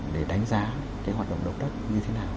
để đánh giá cái hoạt động động đất như thế nào